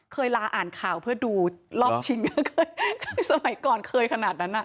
ลาอ่านข่าวเพื่อดูรอบชิงสมัยก่อนเคยขนาดนั้นอ่ะ